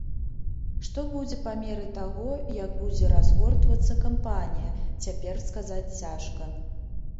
Што будзе па меры таго, як будзе разгортвацца кампанія, цяпер сказаць цяжка.